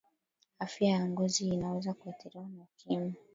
afya ya ngozi inaweza kuathiriwa na ukimwi